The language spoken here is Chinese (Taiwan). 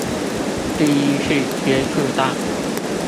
第一次接觸到